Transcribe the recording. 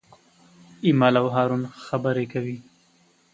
ایمل او هارون خبرې کوي.